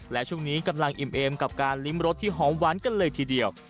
และช่วงนี้กำลังอิ่มเอมกับการลิ้มรสที่หอมหวานกันเลยทีเดียว